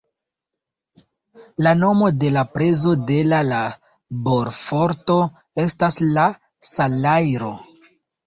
La nomo de la prezo de la laborforto estas la salajro.